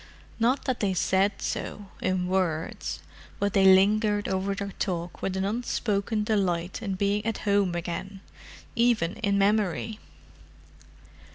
Not that they said so, in words. But they lingered over their talk with an unspoken delight in being at home again—even in memory.